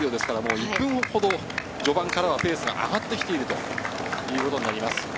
１分ほど序盤からペースが上がってきているということになります。